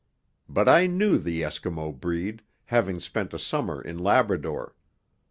But I knew the Eskimo breed, having spent a summer in Labrador.